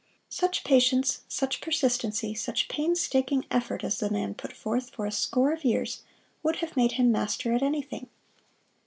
Such patience, such persistency, such painstaking effort as the man put forth for a score of years would have made him master at anything.